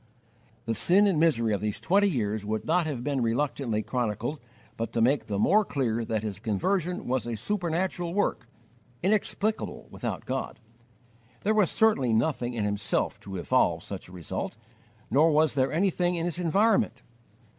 The sin and misery of these twenty years would not have been reluctantly chronicled but to make the more clear that his conversion was a supernatural work, inexplicable without God. There was certainly nothing in himself to 'evolve' such a result, nor was there anything in his 'environment.'